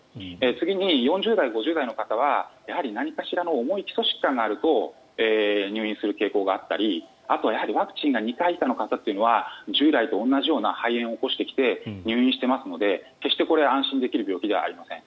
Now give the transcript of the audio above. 次に４０代、５０代の方はやはり何かしらの重い基礎疾患があると入院する傾向があったりあとはやはりワクチンが２回以下の方というのは従来と同じような肺炎を起こしてきて入院していますので決してこれは安心できる病気ではありません。